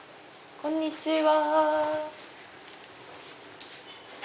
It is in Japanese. こんにちは。